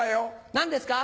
何ですか？